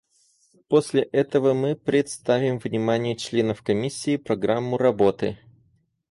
После этого мы представим вниманию членов Комиссии программу работы.